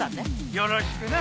よろしくな。